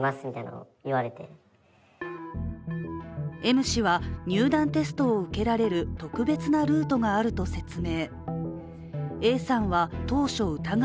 Ｍ氏は入団テストを受けられる特別なルートがあると説明。